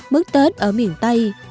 mức tết ở miền tây